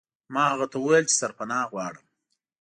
ما هغه ته وویل چې سرپناه غواړم.